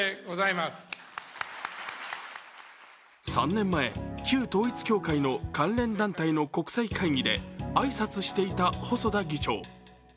３年前、旧統一教会の関連団体の国際会議で挨拶していた細田議長。